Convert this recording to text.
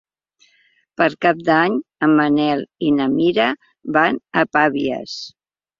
Per Cap d'Any en Manel i na Mira van a Pavies.